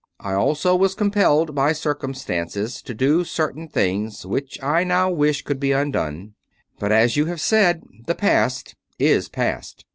I also was compelled by circumstances to do certain things which I now wish could be undone; but as you have said, the past is past.